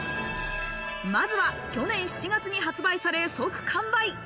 まずは、去年７月に発売され、即完売。